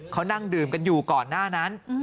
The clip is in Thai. เขานั่งดื่มกันอยู่ก่อนหน้านั้น